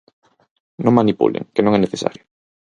Non manipulen, que non é necesario.